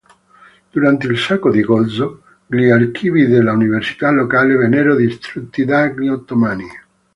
Durante il sacco di Gozo, gli archivi dell'università locale vennero distrutti dagli ottomani.